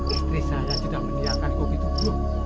istri saya sudah meniakanku gitu dulu